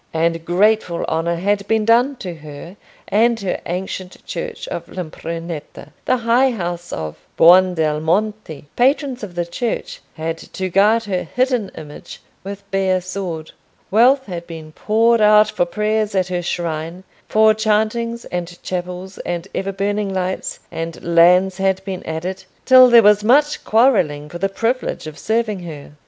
And grateful honour had been done to her and her ancient church of L'Impruneta; the high house of Buondelmonti, patrons of the church, had to guard her hidden image with bare sword; wealth had been poured out for prayers at her shrine, for chantings, and chapels, and ever burning lights; and lands had been added, till there was much quarrelling for the privilege of serving her.